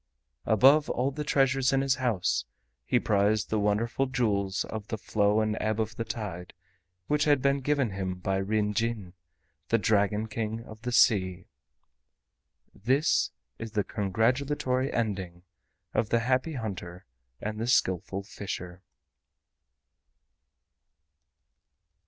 Above all the treasures in his house he prized the wonderful Jewels of the Flow and Ebb of the Tide which had been given him by Ryn Jin, the Dragon King of the Sea. This is the congratulatory ending of the Happy Hunter and the Skillful Fisher.